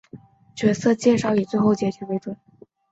角色介绍以最后结局为准。